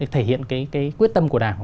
thể hiện cái quyết tâm của đảng